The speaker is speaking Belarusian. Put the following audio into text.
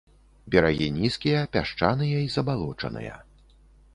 Берагі нізкія, пясчаныя і забалочаныя.